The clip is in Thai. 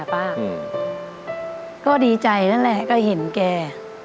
ป้าก็ดีใจนั่นแหละก็เห็นแก